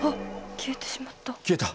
消えた。